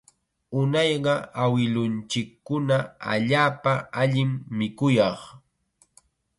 Unayqa awilunchikkuna allaapa allim mikuyaq